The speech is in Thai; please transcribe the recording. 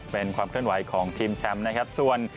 เป็นความเคลื่อนไหวของทีมแชมป์นะครับส่วน